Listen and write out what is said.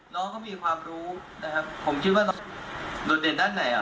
น้องก็มีความรู้ผมคิดว่าน้องโดดเด่นด้านไหนเหรอ